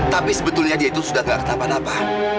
tapi sebetulnya dia itu sudah gak kenapa napa